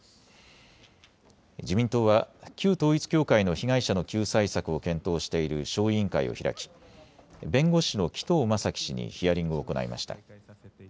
自民党は旧統一教会の被害者の救済策を検討している小委員会を開き弁護士の紀藤正樹氏にヒアリングを行いました。